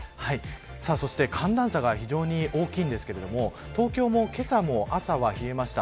そして寒暖差が非常に大きいんですけれども東京もけさも朝は冷えました。